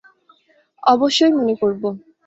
অবশ্যই মনে করব!